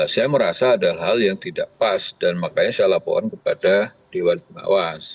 saya merasa ada hal yang tidak pas dan makanya saya laporkan kepada dewan pengawas